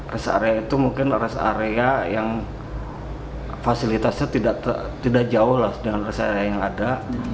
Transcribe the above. res area itu mungkin res area yang fasilitasnya tidak jauh dengan res area yang ada